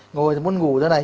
ngồi muốn ngủ thế này